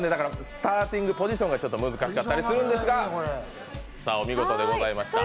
スターティングポジションがちょっと難しかったりするんですが、お見事でございました。